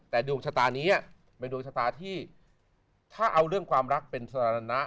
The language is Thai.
แต่ดวงชะตานี้เป็นดวงชะตาที่ถ้าเอาเรื่องความรักเป็นสถานะ